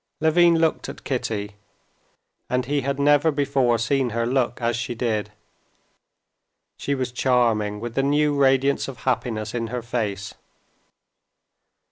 Levin looked at Kitty, and he had never before seen her look as she did. She was charming with the new radiance of happiness in her face.